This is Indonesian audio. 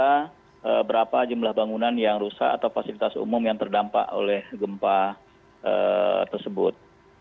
ada berapa jumlah bangunan yang rusak atau fasilitas umum yang terdampak oleh gempa tersebut